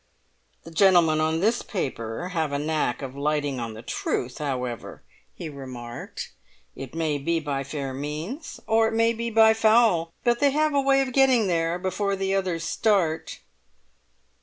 "The gentlemen on this paper have a knack of lighting on the truth, however," he remarked; "it may be by fair means, or it may be by foul, but they have a way of getting there before the others start."